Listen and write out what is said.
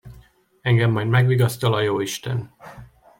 Engem majd megvigasztal a jóisten.